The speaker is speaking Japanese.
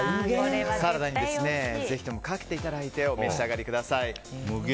サラダにぜひともかけてお召し上がりください。